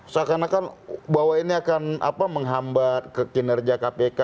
seakan akan bahwa ini akan menghambat kinerja kpk